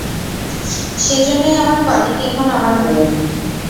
সেজন্যই আমার কলিগ এখন আমার বউ!